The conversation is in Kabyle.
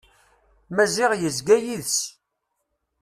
Maziɣ yezga d yid-s.